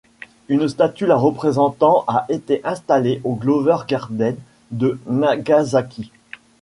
Une statue la représentant a été installée au Glover Garden de Nagasaki.